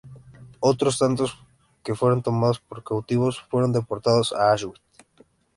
Otros tantos que fueron tomados como cautivos fueron deportados a Auschwitz.